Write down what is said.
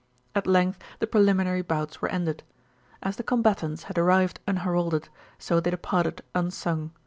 At length the preliminary bouts were ended. As the combatants had arrived unheralded, so they departed unsung.